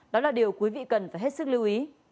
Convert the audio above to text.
đó là điều quý vị cần phải hết sức lưu ý